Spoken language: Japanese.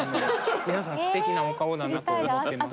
皆さんすてきなお顔だなと思ってます。